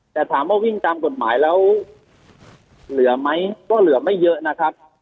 แต่ถามว่าวิ่งตามกฎหมายแล้วเหลือไหมก็เหลือไม่เยอะนะครับ